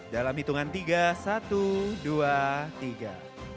dalam hitungan tiga satu dua tiga